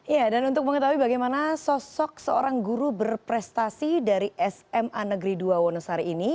ya dan untuk mengetahui bagaimana sosok seorang guru berprestasi dari sma negeri dua wonosari ini